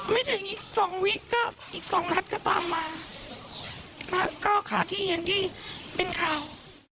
ไม่ถึงอีกสองวิก็อีกสองนัดก็ตามมาแล้วก็ขาดที่อย่างที่เห็นที่เป็นข่าว